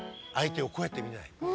あいてをこうやってみない。